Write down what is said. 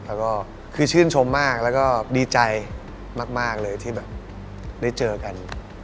แล้วก็คือชื่นชมมากแล้วก็ดีใจมากเลยที่แบบได้เจอกัน